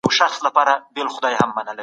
د وخت قدر کول د هر انسان دپاره مهم دی.